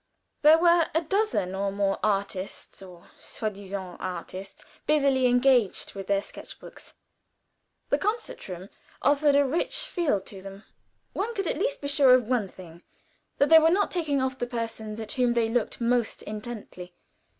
There were a dozen or more artists or soi disant artists busily engaged with their sketch books. The concert room offered a rich field to them. One could at least be sure of one thing that they were not taking off the persons at whom they looked most intently.